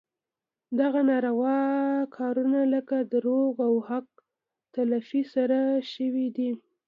دغه ناروا کارونه لکه دروغ او حق تلفي ترسره شوي دي.